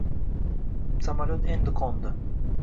Samolyot endi qo'ndi.